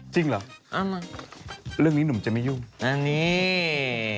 จริงเหรอเรื่องนี้หนุ่มจะไม่ยุ่งอันนี้